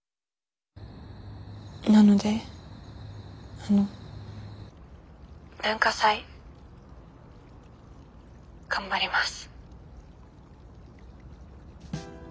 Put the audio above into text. なのであの文化祭頑張ります。